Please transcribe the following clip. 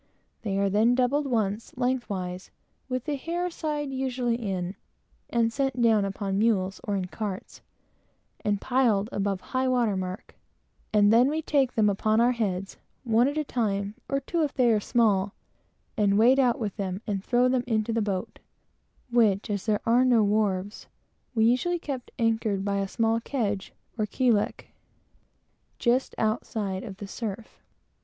They are then doubled once, lengthwise, with the hair side usually in, and sent down, upon mules or in carts, and piled above highwater mark; and then we rake them upon our heads, one at a time, or two, if they are small, and wade out with them and throw them into the boat, which as there are no wharves, we are usually kept anchored by a small kedge, or keelek, just outside of the surf.